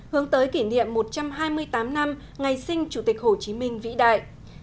hướng tới kỷ niệm một trăm hai mươi tám năm ngày sinh chủ tịch hồ chí minh vĩ đại